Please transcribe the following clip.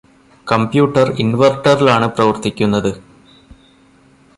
computer ഇൻവെർട്ടറിലാണ് പ്രവർത്തിക്കുന്നത്